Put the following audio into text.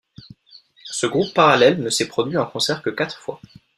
Ce groupe parallèle ne s'est produit en concert que quatre fois.